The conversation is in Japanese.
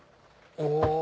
お。